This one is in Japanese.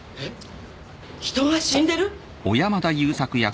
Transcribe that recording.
⁉人が死んでる？